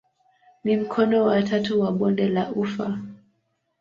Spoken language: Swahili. Ni mkono wa tatu wa bonde la ufa.